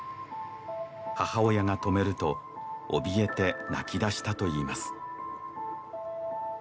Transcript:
母親が止めるとおびえて泣きだしたといいます